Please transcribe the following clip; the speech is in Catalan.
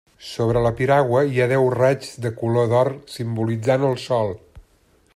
Sobre la piragua hi ha deu raigs de color d'or simbolitzant el sol.